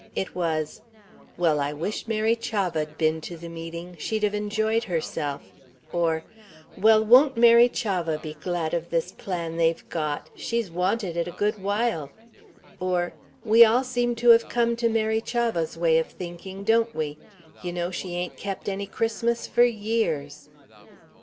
It was: "Well, I wish Mary Chavah'd been to the meeting. She'd have enjoyed herself." Or, "Well, won't Mary Chavah be glad of this plan they've got? She's wanted it a good while." Or, "We all seem to have come to Mary Chavah's way of thinking, don't we? You know, she ain't kept any Christmas for years."